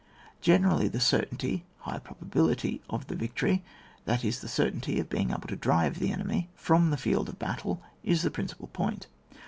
4. (Generally the certainty (high pro bability) of the victory — that is, the cer tainty of being able to drive the enemy from the field of battle, is the principal point.